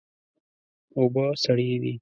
اوبه سړې دي.